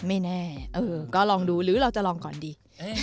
ไม่แน่ก็ลองดูหรือเราจะลองก่อนดี